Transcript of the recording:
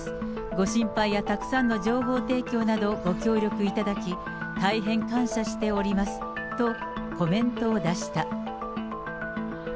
ご心配やたくさんの情報提供など、ご協力いただき、大変感謝しておりますとコメントを出した。